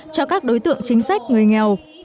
cho các đối tượng chính sách người nghèo